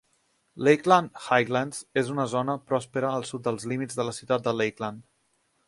Lakeland Highlands és una zona pròspera al sud dels límits de la ciutat de Lakeland.